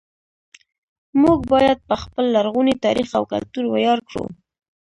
موږ باید په خپل لرغوني تاریخ او کلتور ویاړ وکړو